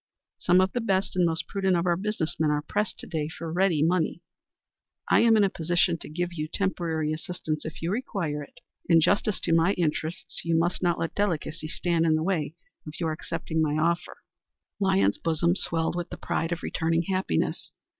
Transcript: Some of the best and most prudent of our business men are pressed to day for ready money. I am in a position to give you temporary assistance if you require it. In justice to my interests you must not let delicacy stand in the way of your accepting my offer." Lyons's bosom swelled with the tide of returning happiness.